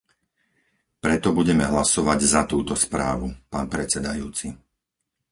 Preto budeme hlasovať za túto správu, pán predsedajúci.